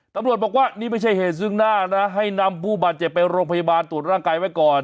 ตำรวจบอกว่านี่ไม่ใช่เหตุซึ่งหน้านะให้นำผู้บาดเจ็บไปโรงพยาบาลตรวจร่างกายไว้ก่อน